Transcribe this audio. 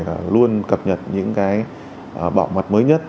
và luôn cập nhật những cái bảo mật mới nhất